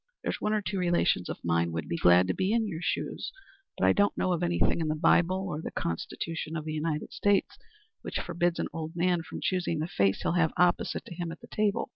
There's one or two relations of mine would be glad to be in your shoes, but I don't know of anything in the Bible or the Constitution of the United States which forbids an old man from choosing the face he'll have opposite to him at table."